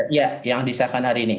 iya yang disahkan hari ini